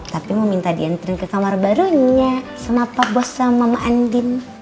tapi mau minta diantrin ke kamar barunya sama pa bos sama mama andin